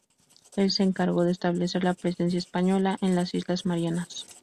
Él se encargo de establecer la presencia española en las Islas Marianas.